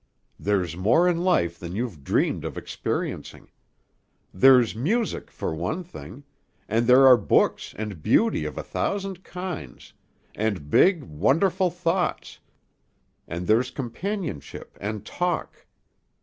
There's more in life than you've dreamed of experiencing. There's music, for one thing, and there are books and beauty of a thousand kinds, and big, wonderful thoughts, and there's companionship and talk.